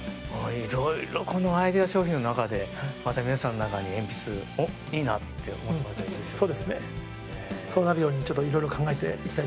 色々このアイデア商品の中でまた皆さんの中に鉛筆いいなって思ってもらえたらいいですよね。